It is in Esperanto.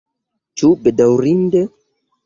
Ĉu bedaŭrinde?